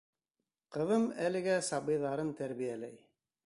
Ҡыҙым әлегә сабыйҙарын тәрбиәләй.